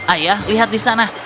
ayah lihat di sana